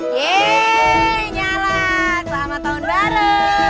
yeay nyala selamat tahun baru